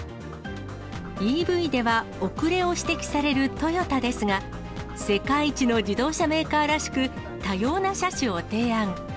ＥＶでは、遅れを指摘されるトヨタですが、世界一の自動車メーカーらしく、多様な車種を提案。